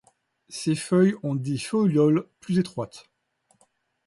Ses feuilles ont des folioles plus étroites.